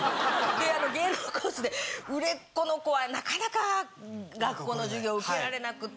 芸能コースで売れっ子の子はなかなか学校の授業受けられなくって。